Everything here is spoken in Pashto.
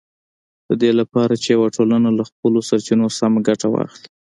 د دې لپاره چې یوه ټولنه له خپلو سرچینو سمه ګټه واخلي